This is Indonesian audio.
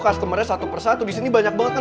customernya satu persatu disini banyak banget ya